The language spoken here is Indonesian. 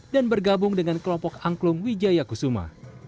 dan bergabung dengan kelompok angklung wijaya kusuma